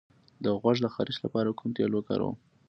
د غوږ د خارش لپاره کوم تېل وکاروم؟